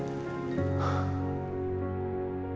gak keras kepala ini elsa